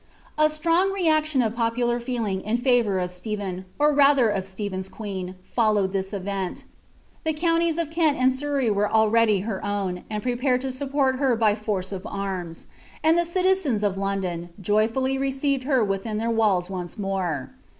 A strong reaction of popular feeling in favour of Stephen, or n&ti of Stephen's queen, followed iliia event. The counties of Kent aad Surrey were already her own, and prepared to support her by force of Brms; and the citizens of London joyfully received her within iMr w&lls once more.